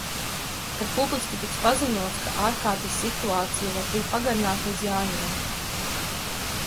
Kad publiski tiks paziņots, ka ārkārtas situācija var tikt pagarināta līdz Jāņiem.